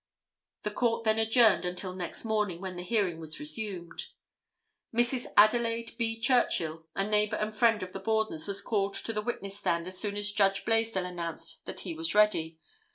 The court then adjourned until next morning, when the hearing was resumed. Mrs. Adelaide B. Churchill, a neighbor and friend of the Bordens, was called to the witness stand as soon as Judge Blaisdell announced that he was ready.